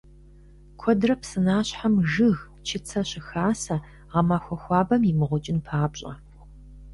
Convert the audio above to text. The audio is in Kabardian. Куэдрэ псынащхьэм жыг, чыцэ щыхасэ, гъэмахуэ хуабэм имыгъукӀын папщӀэ.